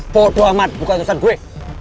bodo amat bukan usaha gue